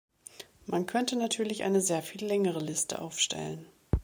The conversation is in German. Man könnte natürlich eine sehr viel längere Liste aufstellen.